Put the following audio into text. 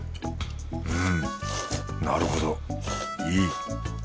うんなるほどいい。